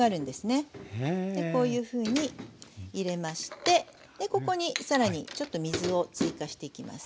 こういうふうに入れましてここに更にちょっと水を追加していきます。